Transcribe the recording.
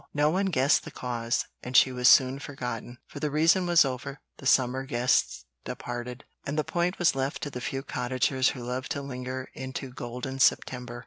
No one guessed the cause, and she was soon forgotten; for the season was over, the summer guests departed, and the Point was left to the few cottagers who loved to linger into golden September.